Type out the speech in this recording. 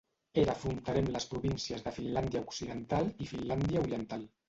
Era fronterer amb les províncies de Finlàndia Occidental i Finlàndia Oriental.